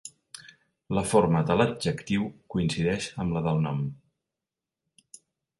La forma de l'adjectiu coincideix amb la del nom.